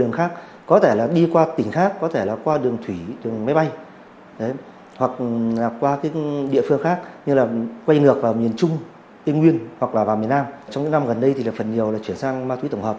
gần đây thì phần nhiều là chuyển sang ma túy tổng hợp